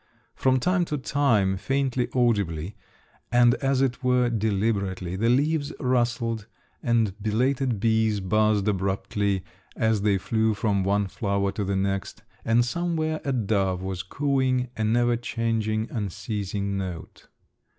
From time to time, faintly audibly, and as it were deliberately, the leaves rustled, and belated bees buzzed abruptly as they flew from one flower to the next, and somewhere a dove was cooing a never changing, unceasing note.